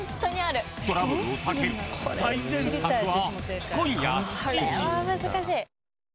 トラブルを避ける最善策は？